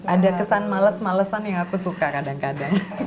ada kesan males malesan yang aku suka kadang kadang